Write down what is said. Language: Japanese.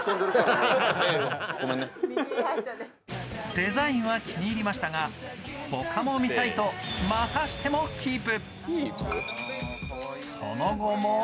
デザインは気に入りましたが、他も見たいと、またしてもキープ。